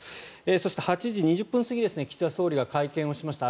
そして、８時２０分過ぎ岸田総理が会見をしました。